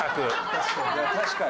確かに。